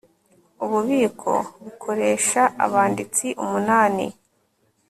Ububiko bukoresha abanditsi umunani